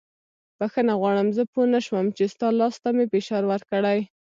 بښنه غواړم زه پوه نه شوم چې ستا لاس ته مې فشار ورکړی.